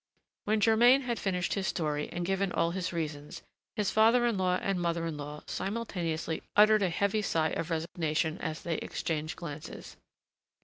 When Germain had finished his story and given all his reasons, his father in law and mother in law simultaneously uttered a heavy sigh of resignation as they exchanged glances.